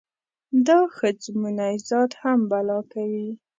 دا ښځمونی ذات هم بلا کوي.